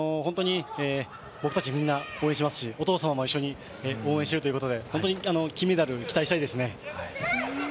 僕たちみんな応援していますし、お父さんも一緒に応援しているということでホントに金メダル、期待したいですね。